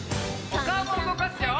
おかおもうごかすよ！